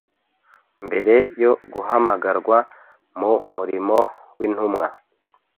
Mbere yo guhamagarwa mu murimo w'intumwa,